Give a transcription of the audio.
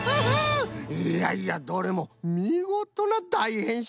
いやいやどれもみごとなだいへんしんじゃったな。